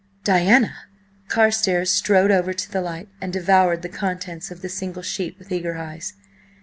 "Diana!" Carstares strode over to the light, and devoured the contents of the single sheet, with eager eyes.